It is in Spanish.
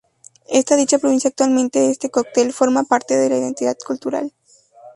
En dicha provincia actualmente este cóctel forma parte de la identidad cultural.